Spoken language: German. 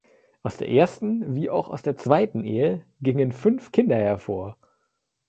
Aus der ersten, wie auch aus der zweiten Ehe gingen fünf Kinder hervor.